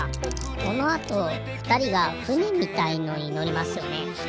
このあとふたりがふねみたいのにのりますよね。